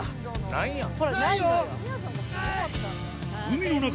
ないやん。